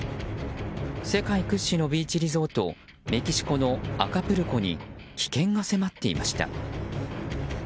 世界屈指のビーチリゾートメキシコのアカプルコに危険が迫っていました。